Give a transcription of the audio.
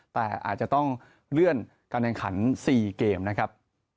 แต่อาจจะต้องเลื่อนการแข่งขัน๔เกมนะครับ